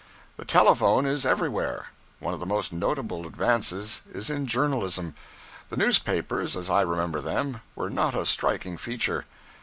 The telephone is everywhere. One of the most notable advances is in journalism. The newspapers, as I remember them, were not a striking feature.